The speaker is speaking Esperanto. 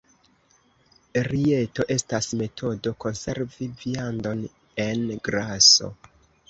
Rijeto estas metodo konservi viandon en graso.